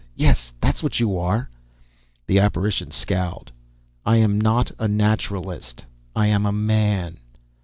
Yes, that's what you are!" The apparition scowled. "I am not a Naturalist. I am a man."